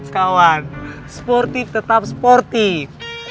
kawan sportif tetap sportif